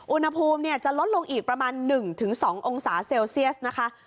อุณหภูมิจะลดลงอีกประมาณ๑๒องศาเซลเซียสนะคะ